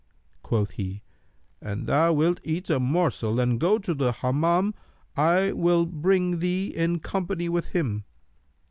Quoth he, 'An thou wilt eat a morsel and go to the Hammam, I will bring thee in company with him.'